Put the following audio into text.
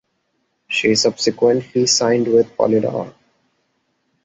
She subsequently signed with Polydor.